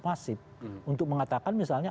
masif untuk mengatakan misalnya